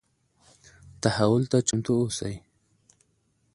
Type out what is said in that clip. تحول ته چمتو اوسئ.